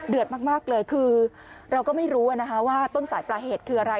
มากเลยคือเราก็ไม่รู้ว่าต้นสายปลายเหตุคืออะไร